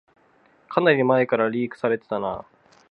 かなり前からリークされてたな